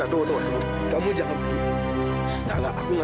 hai makasih ya sayangnya